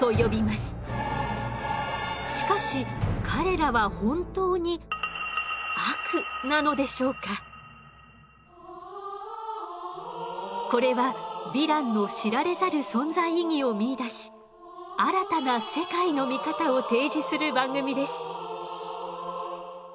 しかし彼らはこれはヴィランの知られざる存在意義を見いだし新たな世界の見方を提示する番組です。